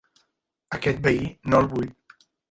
Aquest veí no el vull.